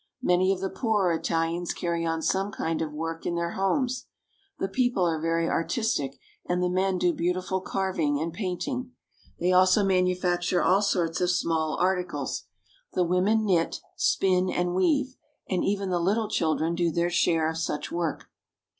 Many of the poorer Italians carry on some kind of work in their homes. The people are very artistic, and the men do beautiful carving and painting. They also manufacture all sorts of small articles. The women knit, spin, and weave, and even the little children do their share of such work.